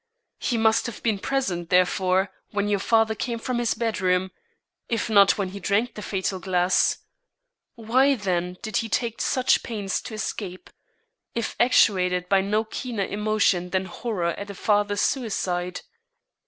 He must have been present, therefore, when your father came from his bedroom, if not when he drank the fatal glass; why, then, did he take such pains to escape, if actuated by no keener emotion than horror at a father's suicide?"